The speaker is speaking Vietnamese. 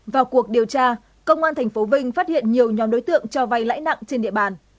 vào cuộc điều tra công an tp vinh phát hiện nhiều nhóm đối tượng cho vay lãi nặng trên địa bàn